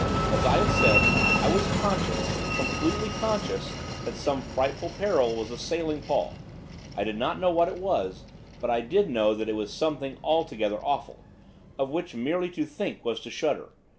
As I have said, I was conscious, completely conscious, that some frightful peril was assailing Paul. I did not know what it was, but I did know that it was something altogether awful, of which merely to think was to shudder.